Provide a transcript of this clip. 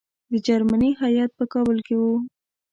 د جرمني هیات په کابل کې وو.